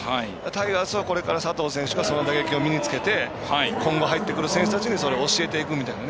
タイガースはこれから佐藤選手がその打撃を身につけて今後、入ってくる選手たちにそれを教えていくみたいな。